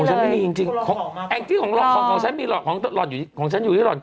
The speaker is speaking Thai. ของฉันมีหล่อของฉันอยู่ที่หล่อขวดเดียวใช่ไหม